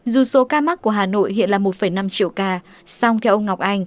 dù số ca mắc của hà nội hiện là một năm triệu ca